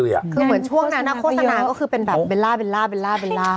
คือเหมือนช่วงนั้นโฆษณาก็คือเป็นแบบเบลล่าเบลล่าเบลล่าเบลล่า